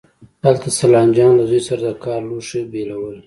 هلته سلام جان له زوی سره د کار لوښي بېلول.